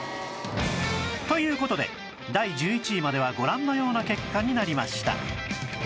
という事で第１１位まではご覧のような結果になりました